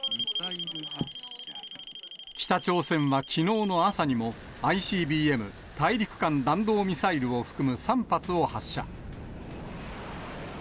北朝鮮はきのうの朝にも、ＩＣＢＭ・大陸間弾道ミサイルを含む３発を発射。